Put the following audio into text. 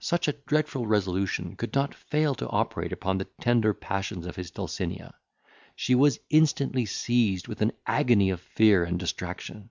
Such a dreadful resolution could not fail to operate upon the tender passions of his Dulcinea; she was instantly seized with an agony of fear and distraction.